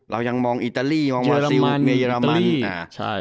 เรายังมองอิตาลีมองบราซิลในเยอรมันอิตาลีอ่าใช่